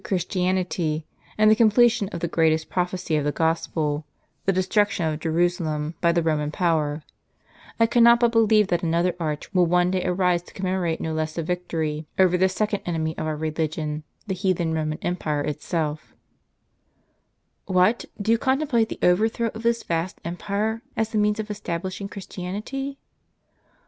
Christianity, and the completion of the greatest prophecy of the Gospel, — the destruction of Jerusalem by the Eoman power.* I cannot but believe that another arch will one day * The trinmplial arch of Titus, on which are represented the spoils of the Temple. ^ arise to commemorate no less a victory, over the second enemy of our religion, the heathen Roman empire itself." "What! do you contemplate the overthrow of this vast empire, as the means of establishing Christianity?